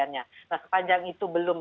nah sepanjang itu belum